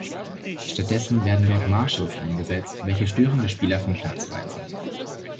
Stattdessen werden dort Marshalls eingesetzt, welche störende Spieler vom Platz weisen.